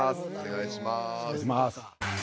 お願いします。